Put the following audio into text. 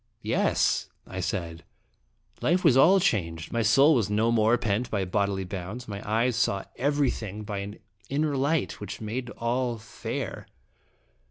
" 1 'Yes," I said; "life was all changed, my soul was no more pent by bodily bounds, my eyes saw everything by an inner light which made all fair."